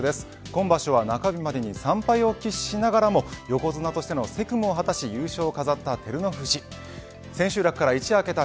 今場所は中日までに３敗を喫しながらも横綱としての責務を果たし優勝を飾った照ノ富士。